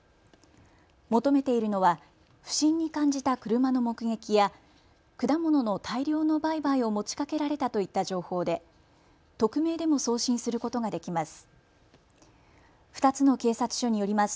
求めているのは不審に感じた車の目撃や果物の大量の売買を持ちかけられたといった情報で匿名でも送信することができます。